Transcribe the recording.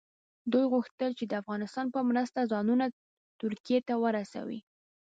دوی غوښتل چې د افغانستان په مرسته ځانونه ترکیې ته ورسوي.